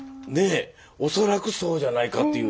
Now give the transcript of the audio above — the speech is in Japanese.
恐らくそうじゃないかっていう。